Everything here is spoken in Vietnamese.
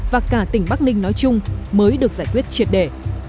và cả tỉnh bắc ninh nói chung mới được giải quyết triệt đề